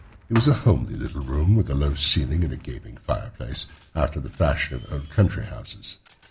It was a homely little room, with a low ceiling and a gaping fireplace, after the fashion of old country houses.